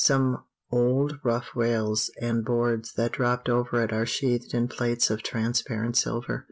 Some old rough rails and boards that dropped over it are sheathed in plates of transparent silver.